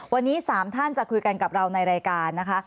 วันนี้๓ท่านจะคุยกันกับเราในรายการนะคะ